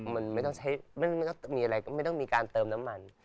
มันไม่ต้องมีอะไรไม่ต้องมีการเติมน้ำมัน